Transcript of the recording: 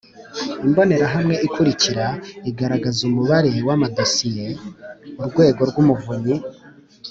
Imbonerahamwe ikurikira iragaragaza umubare w amadosiye Urwego rw Umuvunyi